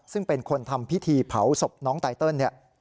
ซึ่งเป็นคนทำพิธีเผาศพน้องไตเติลเนี่ย